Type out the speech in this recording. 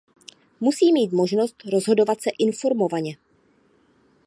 Musí mít možnost rozhodovat se informovaně.